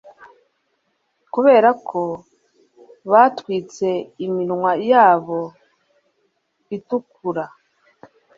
Kuberako batwitse iminwa yabo itukura